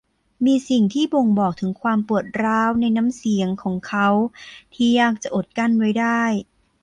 มีสิ่งที่บ่งบอกถึงความปวดร้าวในน้ำเสียงของเขาที่ยากจะอดกลั้นไว้ได้